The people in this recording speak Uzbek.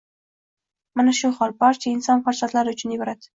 Mana shu hol – barcha inson farzandlari uchun ibrat.